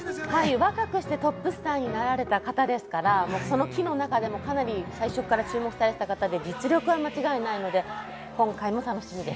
若くしてトップスターになられた方ですから、この期の中でも最初から注目されていた方で、実力は間違いないです。